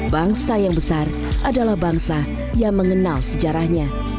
bangsa yang besar adalah bangsa yang mengenal sejarahnya